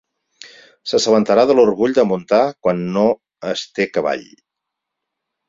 S'assabentarà de l'orgull de muntar quan no es té cavall.